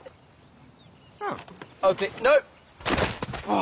あ。